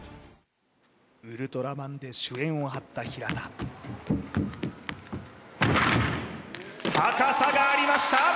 「ウルトラマン」で主演をはった平田高さがありました！